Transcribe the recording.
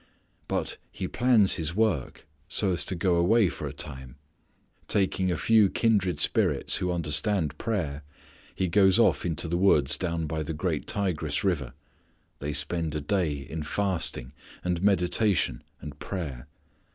But he plans his work so as to go away for a time. Taking a few kindred spirits, who understand prayer, he goes off into the woods down by the great Tigris River. They spend a day in fasting, and meditation and prayer.